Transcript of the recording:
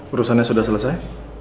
urusannya sudah selesai